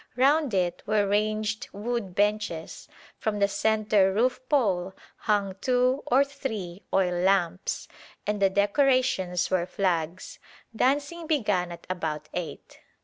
Round it were ranged wood benches; from the centre roof pole hung two or three oil lamps, and the decorations were flags. Dancing began at about eight.